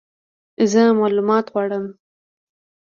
زه مالومات غواړم !